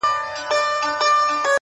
• بويي تلم په توره شپه کي تر کهساره,